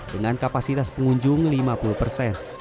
dengan kapasitas pengunjung lima puluh persen